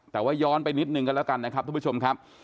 แต่ว่าย้อนไปนิดนึงกันแล้วกันนะครับทุกผู้ชมครับ